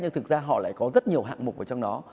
nhưng thực ra họ lại có rất nhiều hạng mục ở trong đó